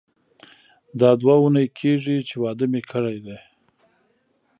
دا دوه اونۍ کیږي چې واده مې کړی دی.